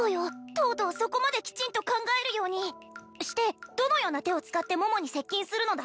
とうとうそこまできちんと考えるようにしてどのような手を使って桃に接近するのだ？